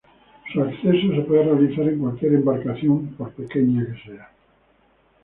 Su acceso se puede realizar en cualquier embarcación por pequeña que sea.